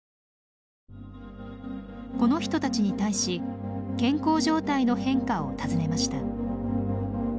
この人たちに対し健康状態の変化を尋ねました。